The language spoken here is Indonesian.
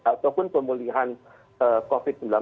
ataupun pemulihan covid sembilan belas